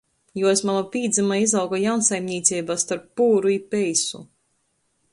Juos mama pīdzyma i izauga jaunsaimnīceibā storp pūru i peisu.